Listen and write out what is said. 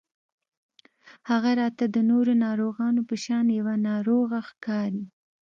هغه راته د نورو ناروغانو په شان يوه ناروغه ښکاري